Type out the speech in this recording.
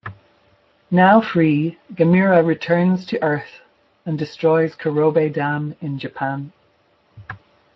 Now free, Gamera returns to Earth and destroys Kurobe Dam in Japan.